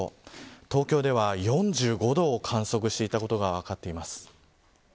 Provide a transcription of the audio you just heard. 東京では４５度を観測していたことが分かっています。